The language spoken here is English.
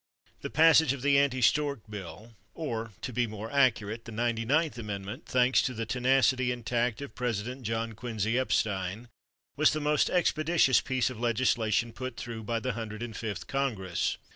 The passage of the Anti Stork Bill or, to be more accurate, the Ninety ninth Amendment, thanks to the tenacity and tact of President John Quincy Epstein, was the most expeditious piece of legislation put through by the hundred and fifth Congress.